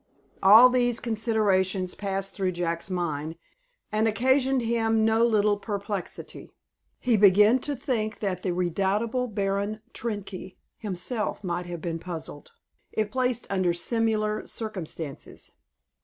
All these considerations passed through Jack's mind, and occasioned him no little perplexity. He began to think that the redoubtable Baron Trenck himself might have been puzzled, if placed under similar circumstances.